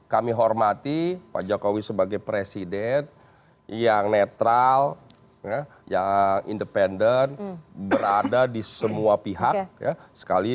kami hormati pak jokowi sebagai presiden yang netral yang independen berada di semua pihak ya sekali